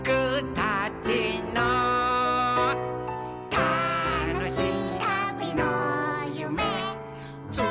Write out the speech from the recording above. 「たのしいたびのゆめつないでる」